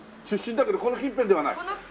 出身だけどこの近辺ではない？